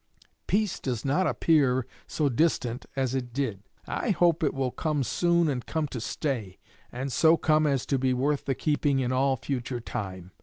Peace does not appear so distant as it did. I hope it will come soon and come to stay; and so come as to be worth the keeping in all future time.